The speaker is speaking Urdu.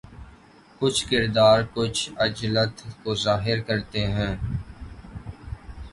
کچھ کردار کچھ عجلت کو ظاہر کرتے ہیں